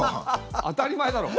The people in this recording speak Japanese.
当たり前だろ。